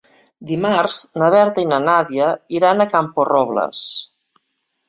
Dimarts na Berta i na Nàdia iran a Camporrobles.